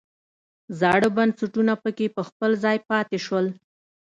زاړه بنسټونه پکې په خپل ځای پاتې شول.